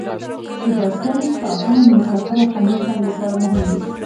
د بایسکل سټاپونه د مسافرو خوندي تګ لپاره مهم دي.